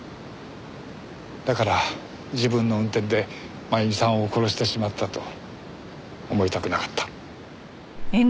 だから自分の運転で真由美さんを殺してしまったと思いたくなかった。